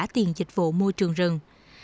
tiền dịch vụ môi trường rừng